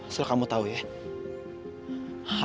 asal kamu tahu ya